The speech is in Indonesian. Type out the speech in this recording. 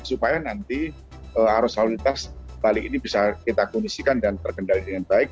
supaya nanti arus halilitas balik ini bisa kita kondisikan dan terkendali dengan baik